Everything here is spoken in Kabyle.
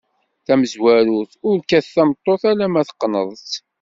Tamezwarut: Ur kkat tameṭṭut alemma teqneḍ-tt.